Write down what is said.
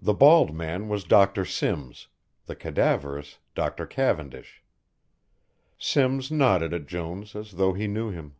The bald man was Dr. Simms, the cadaverous, Dr. Cavendish. Simms nodded at Jones as though he knew him.